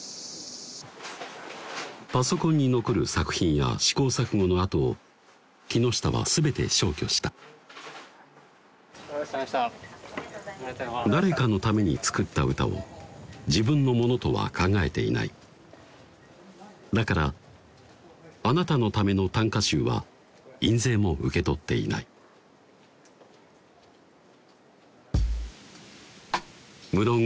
パソコンに残る作品や試行錯誤の跡を木下は全て消去したありがとうございました誰かのために作った歌を自分のものとは考えていないだから「あなたのための短歌集」は印税も受け取っていない無論